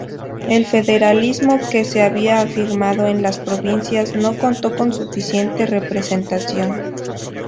El federalismo, que se había afirmado en las provincias, no contó con suficiente representación.